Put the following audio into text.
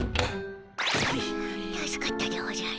助かったでおじゃる。